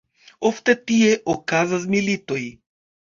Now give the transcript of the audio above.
Ofte tie okazas militoj.